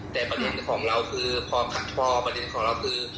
แต่ประเด็นของเราคือพอประเด็นของเราคือ